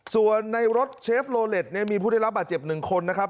ส่วนในรถเชฟโลเล็ตมีผู้ได้รับบาดเจ็บ๑คนนะครับ